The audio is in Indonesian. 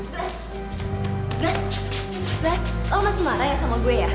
blas blas blas lo masih marah ya sama gue ya